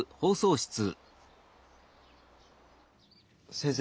先生。